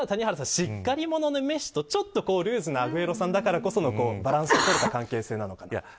しっかり者のメッシとちょっとルーズなアグエロさんだからこそのバランスがとれた関係性なのかと。